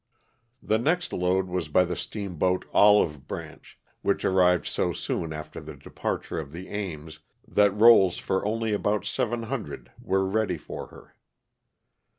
''The next load was by the steamboat 'Olive Branch,' which arrived so soon after the departure of the 'Ames ' that rolls for only about 700 were ready for her.